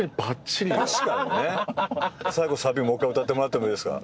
最後サビもう１回歌ってもらってもいいですか。